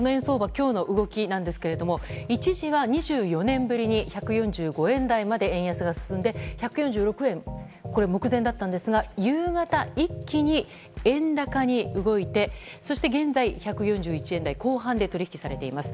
今日の動きなんですけれども一時は２４年ぶりに１４５円台まで円安が進んで１４６円目前だったんですが夕方、一気に円高に動いて、そして現在１４１円台後半で取引されています。